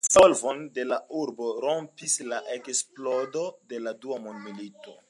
La disvolvon de la urbo rompis la eksplodo de la Dua Mondmilito.